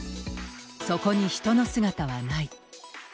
そこに人の姿はない。